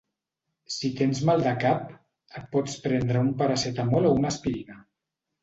Si tens mal de cap, et pots prendre un paracetamol o una aspirina